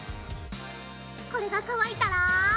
これが乾いたら。